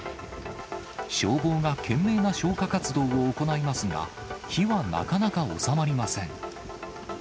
消防が懸命な消火活動を行いますが、火はなかなか収まりません。